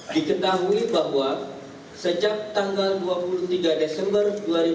lima diketahui bahwa sejak tanggal dua puluh tiga desember